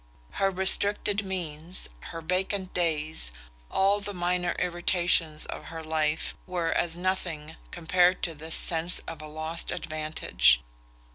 Her restricted means, her vacant days, all the minor irritations of her life, were as nothing compared to this sense of a lost advantage.